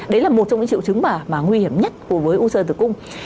đấy là một trong những triệu chứng mà nguy hiểm nhất với u sơ tử cung